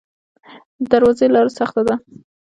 د درواز لاره سخته ده